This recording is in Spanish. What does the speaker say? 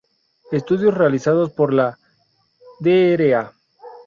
Estudios realizados por la Dra.